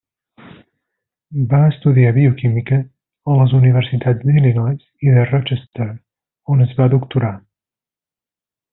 Va estudiar bioquímica a les universitats d'Illinois i de Rochester, on es va doctorar.